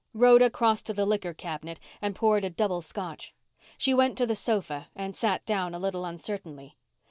Rhoda crossed to the liquor cabinet and poured a double Scotch. She went to the sofa and sat down a little uncertainly.